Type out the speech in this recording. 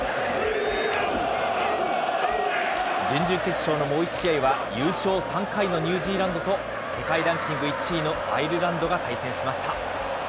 準々決勝のもう１試合は、優勝３回のニュージーランドと、世界ランキング１位のアイルランドが対戦しました。